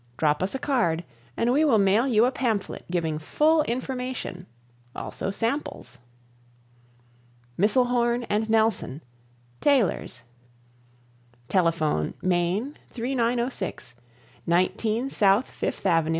Drop us a card and we will mail you pamphlet giving full information, also samples. MISSELHORN & NELSON TAILORS Telephone, Main 3906 19 South Fifth Ave.